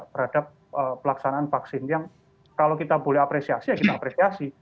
terhadap pelaksanaan vaksin yang kalau kita boleh apresiasi ya kita apresiasi